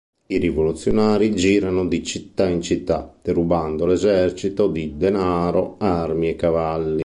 I rivoluzionari girano di città in città derubando l'esercito di denaro, armi e cavalli.